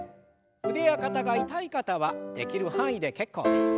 腕や肩が痛い方はできる範囲で結構です。